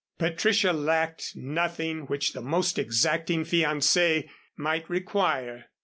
Patricia lacked nothing which the most exacting fiancée might require.